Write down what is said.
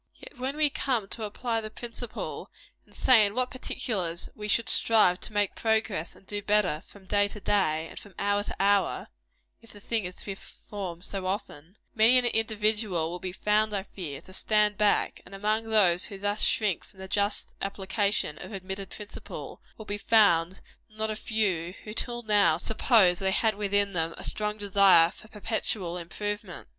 Yet, when we come to apply the principle, and say in what particulars we should strive to make progress and do better, from day to day, and from hour to hour, (if the thing is to be performed so often,) many an individual will be found, I fear, to stand back; and among those who thus shrink from the just application of admitted principle, will be found not a few who, till now, supposed they had within them a strong desire for perpetual improvement.